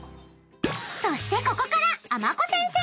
［そしてここから］